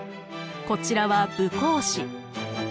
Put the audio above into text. こちらは武侯祠。